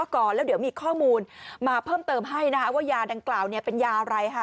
กล่าวเนี้ยเป็นยาอะไรค่ะ